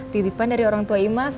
titipan dari orang tua imas